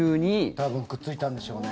多分くっついたんでしょうね。